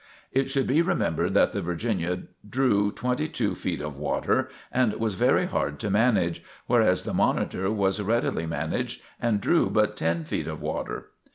It should be remembered that the "Virginia" drew twenty two feet of water and was very hard to manage, whereas the "Monitor" was readily managed and drew but ten feet of water.